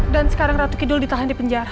dan sekarang ratu kidul ditahan di penjara